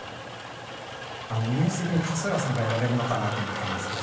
イメージ的に春日さんがやられるのかなと思ってたんですけど。